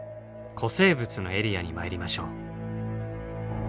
古生物のエリアに参りましょう。